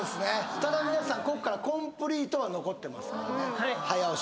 ただ皆さんここからコンプリートは残ってますからね早押し